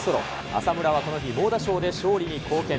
浅村はこの日、猛打賞で勝利に貢献。